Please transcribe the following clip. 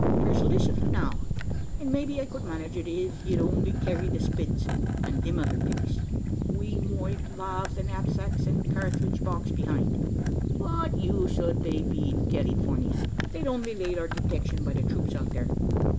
There's liss of it now; an' maybe I could manage it, iv you'ld only carry the spids, an' thim other things. We moight lave the knapsicks an' kyarthridge box behind. What use ud they be in Kalifornya? They'll only lade to our detiction by the throops out there."